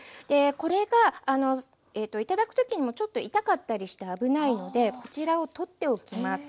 これが頂く時にもちょっと痛かったりして危ないのでこちらを取っておきます。